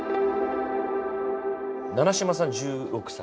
七島さん１６歳？